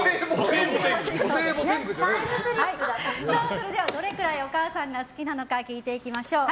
それでは、どれぐらいお母さんが好きなのか聞いていきます。